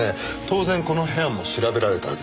当然この部屋も調べられたはずです。